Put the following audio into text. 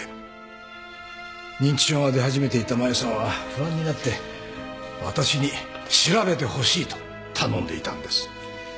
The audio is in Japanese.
認知症が出始めていたマユさんは不安になって私に調べてほしいと頼んでいたんです。